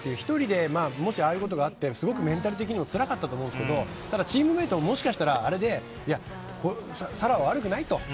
１人で、もしああいうことがあってすごくメンタル的にもつらかったと思うんですけどチームメートももしかしたらあれで沙羅は悪くないと。